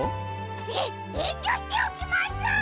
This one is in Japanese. ええんりょしておきます！